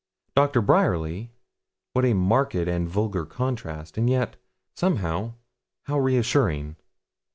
Doctor Bryerly what a marked and vulgar contrast, and yet, somehow, how reassuring!